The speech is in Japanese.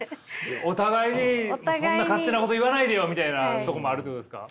お互いにそんな勝手なこと言わないでよみたいなとこもあるということですか？